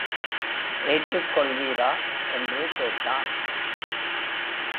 ஏற்றுக் கொள்வீரா? என்று கேட்டான்.